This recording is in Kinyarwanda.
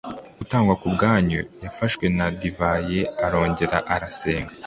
gutangwa ku bwanyu yafashe na divayi arongera arasenga